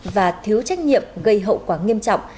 và thiếu trách nhiệm gây hậu quả nghiêm trọng